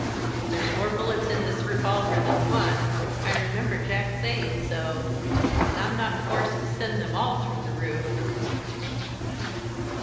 There's more bullets in this revolver than one I remember Jack saying so; and I'm not forced to send them all through the roof."